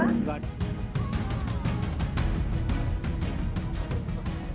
tidak tidak ada